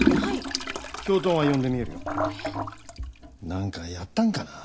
何かやったんかな？